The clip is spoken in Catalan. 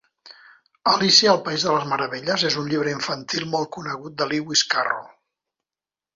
Alícia al país de les meravelles és un llibre infantil molt conegut de Lewis Carroll